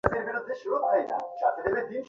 বলেছি ঘুমের ওষুধই একমাত্র বিকল্প।